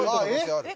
えっ？